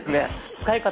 使い方